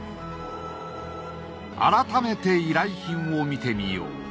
改めて依頼品を見てみよう。